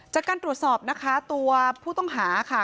จากการตรวจสอบนะคะตัวผู้ต้องหาค่ะ